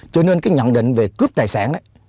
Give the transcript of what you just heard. cho nên cái nhận định về cướp tài sản